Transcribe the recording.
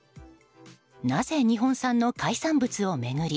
なぜ日本産の海産物を巡り